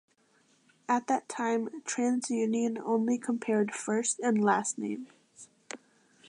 At that time, TransUnion only compared first and last names.